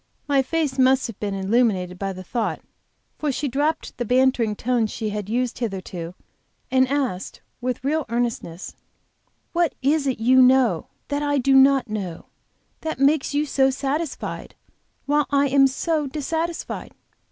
My face must have been illuminated by the thought, for she dropped the bantering tone she had used hitherto, and asked, with real earnestness: "What is it you know, and that I do not know, that makes you so satisfied, while I am so dissatisfied?"